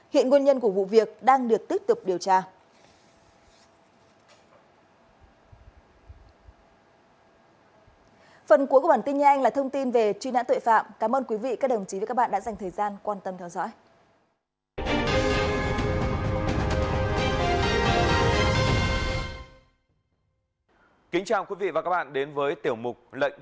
hiện nguyên nhân của vụ việc đang được tiếp tục điều tra